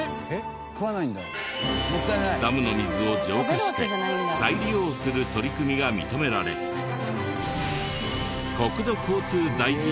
ダムの水を浄化して再利用する取り組みが認められ国土交通大臣賞を受賞！